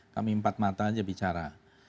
kami empat mata aja bicara